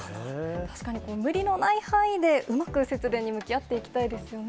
確かに、無理のない範囲でうまく節電に向き合っていきたいですよね。